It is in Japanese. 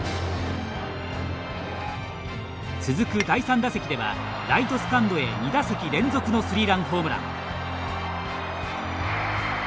続く第３打席ではライトスタンドへ２打席連続のスリーランホームラン。